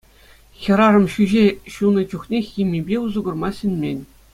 Хӗрарӑм ҫӳҫе ҫунӑ чухне химипе усӑ курма сӗнмен.